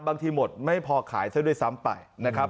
บางทีหมดไม่พอขายซะด้วยซ้ำไปนะครับ